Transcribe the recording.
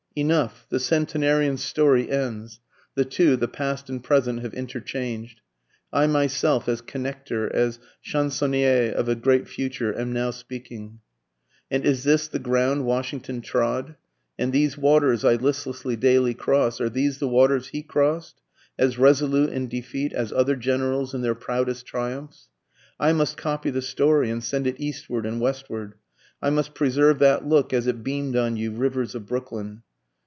_ Enough, the Centenarian's story ends, The two, the past and present, have interchanged, I myself as connecter, as chansonnier of a great future, am now speaking. And is this the ground Washington trod? And these waters I listlessly daily cross, are these the waters he cross'd, As resolute in defeat as other generals in their proudest triumphs? I must copy the story, and send it eastward and westward, I must preserve that look as it beam'd on you rivers of Brooklyn.